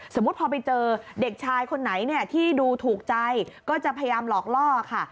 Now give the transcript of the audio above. สมมุติพอไปเจอเด็กชายคนไหนที่ดูถูกใจก็จะพยายามหลอกลอกค่ะ